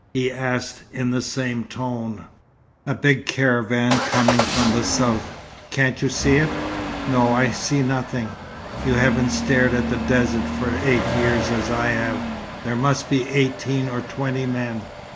he asked in the same tone. "A big caravan coming from the south. Can't you see it?" "No. I see nothing." "You haven't stared at the desert for eight years, as I have. There must be eighteen or twenty men."